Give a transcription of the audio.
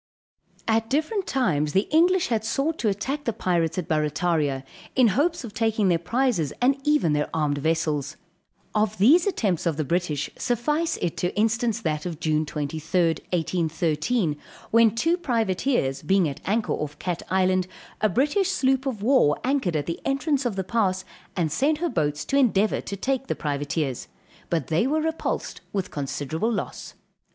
At different times the English had sought to attack the pirates at Barrataria, in hopes of taking their prizes, and even their armed vessels. Of these attempts of the British, suffice it to instance that of June 23d, 1813, when two privateers being at anchor off Cat Island, a British sloop of war anchored at the entrance of the pass, and sent her boats to endeavor to take the privateers; but they were repulsed with considerable loss.